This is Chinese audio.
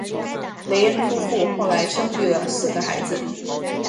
雷恩夫妇后来生育了四个孩子。